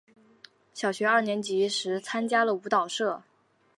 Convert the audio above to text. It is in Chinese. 小学二年级时参加了舞蹈社。